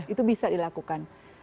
itu bisa dilakukan